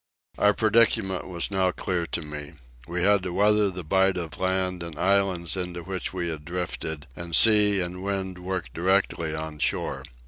Our predicament was now clear to me. We had to weather the bight of land and islands into which we had drifted, and sea and wind worked directly on shore.